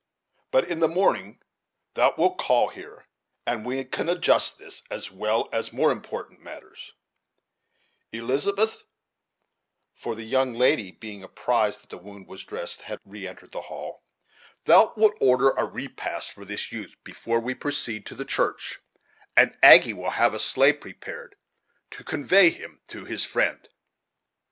But in the morning thou wilt call here, and we can adjust this, as well as more important matters Elizabeth" for the young lady, being apprised that the wound was dressed, had re entered the hall "thou wilt order a repast for this youth before we proceed to the church; and Aggy will have a sleigh prepared to convey him to his friend."